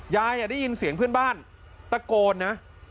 ยายได้ยินเสียงเพื่อนบ้านตะโกนนะ